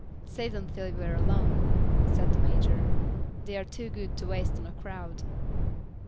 "Save 'em till we're alone," said the Major; "they're too good to waste on a crowd."